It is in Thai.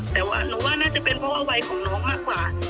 แต่ว่าหนูว่าน่าจะเป็นเพราะว่าวัยของน้องมากกว่า